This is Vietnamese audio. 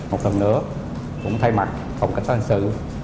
một lần nữa cũng thay mặt phòng cảnh sát hình sự